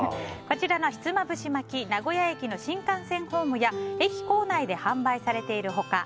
こちらのひつまぶし巻き名古屋駅の新幹線ホームや駅構内で販売されている他